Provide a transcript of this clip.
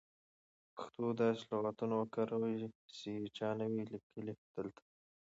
د پښتو داسې لغاتونه وکاروئ سی چا نه وې لیکلي دلته.